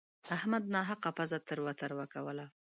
احمد ناحقه پزه تروه تروه کوله.